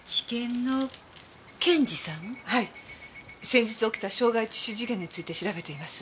先日起きた傷害致死事件について調べています。